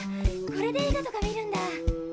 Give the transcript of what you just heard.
これで映画とか見るんだ。